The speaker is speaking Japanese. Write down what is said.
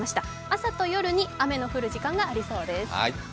朝と夜に雨の降る時間がありそうです。